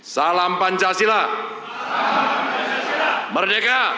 salam pancasila merdeka